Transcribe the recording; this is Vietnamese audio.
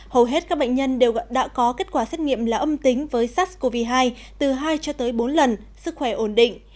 hầu hết các bệnh nhân đều đã có kết quả xét nghiệm là âm tính với sars cov hai từ hai cho tới bốn lần sức khỏe ổn định